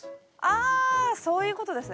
あそういうことですね。